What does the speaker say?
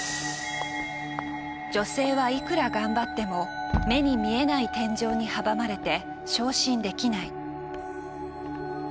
女性はいくら頑張っても目に見えない天井に阻まれて昇進できない。